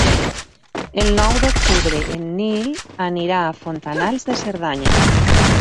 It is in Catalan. El nou d'octubre en Nil irà a Fontanals de Cerdanya.